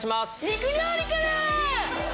肉料理から！